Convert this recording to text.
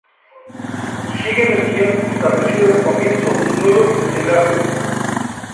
Siguen el guion establecido de comienzo, nudo y desenlace.